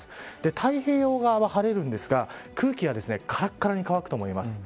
太平洋側は晴れるんですが空気がからからに乾くと思います。